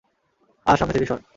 আহ, সামনে থেকে শর।